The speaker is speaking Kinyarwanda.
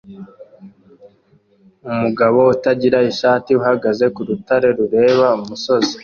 Umugabo utagira ishati uhagaze ku rutare rureba umusozi